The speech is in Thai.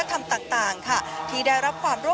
พาคุณผู้ชมไปติดตามบรรยากาศกันที่วัดอรุณราชวรรมหาวิหารค่ะ